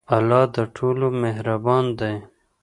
الله د ټولو مهربان دی.